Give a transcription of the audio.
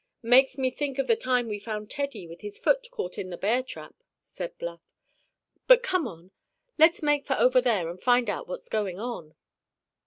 "Makes me think of the time we found Teddy with his foot caught in the bear trap," said Bluff. "But come on, let's make for over there, and find out what's going on."